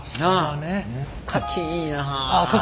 かきいいな。